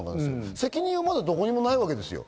責任はまだどこにもないですよ。